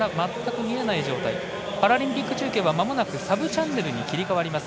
パラリンピック中継はまもなくサブチャンネルに切り替わります。